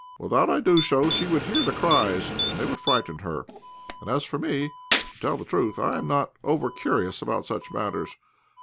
Without I do so she would hear the cries, and they would frighten her. And as for me, to tell the truth, I am not over curious about such matters.